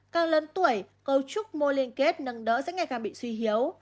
càng lớn tuổi cấu trúc mô liên kết nâng đỡ sẽ ngày càng bị suy hiếu